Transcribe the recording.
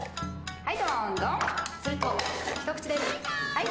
はい。